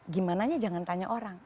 gimananya jangan tanya orang